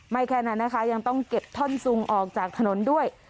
แค่นั้นนะคะยังต้องเก็บท่อนซุงออกจากถนนด้วย